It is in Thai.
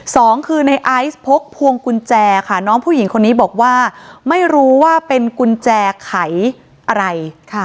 สองคือในไอซ์พกพวงกุญแจค่ะน้องผู้หญิงคนนี้บอกว่าไม่รู้ว่าเป็นกุญแจไขอะไร